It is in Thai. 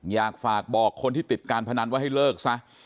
อยากฝากบอกคนที่ติดการพนันว่าให้เลิกซะ